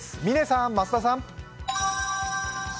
嶺さん、増田さん。